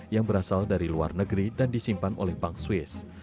yang berasal dari luar negeri dan disimpan oleh bank swiss